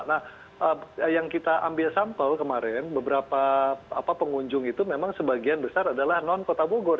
nah yang kita ambil sampel kemarin beberapa pengunjung itu memang sebagian besar adalah non kota bogor